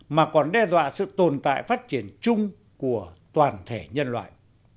mà còn đe dọa sự tồn tại phát triển chung của toàn thể nhân loại